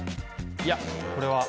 いやこれは。